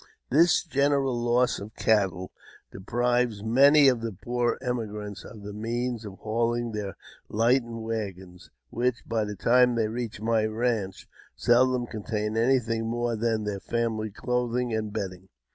This general loss of cattle deprives many of the poor emi grants of the means of hauling their lightened waggons, which, by the time they reach my ranch, seldom contain anything more than their family clothing and bedding.